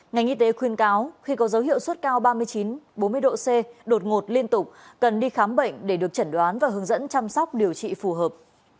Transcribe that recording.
ngành y tế khuyên cáo khi có dấu hiệu suất cao ba mươi chín bốn mươi độ c đột ngột liên tục cần đi khám bệnh để được chẩn đoán và hướng dẫn chăm sóc điều trị phù hợp